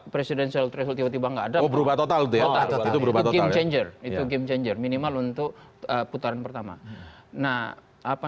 presidential tiba tiba berubah total game changer game changer minimal untuk putaran pertama nah apa